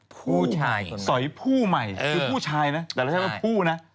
ผู้ชายคือผู้ชายนะแต่เรื่องชื่อว่าผู้นะ